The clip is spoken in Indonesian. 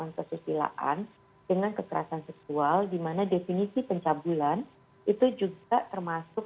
dan perpilaan dengan kekerasan seksual di mana definisi pencabulan itu juga termasuk